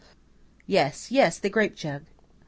Yes, yes, the grape jug!"